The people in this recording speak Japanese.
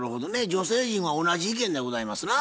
女性陣は同じ意見でございますな。